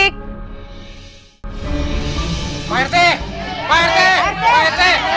pak rt pak rt